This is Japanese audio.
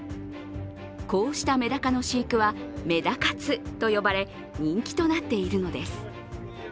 こうしたメダカの飼育はメダ活と呼ばれ、人気となっているのです。